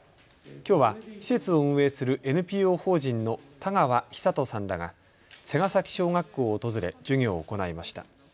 きょうは施設を運営するＮＰＯ法人の田川尚登さんらが瀬ケ崎小学校を訪れ授業を行いました。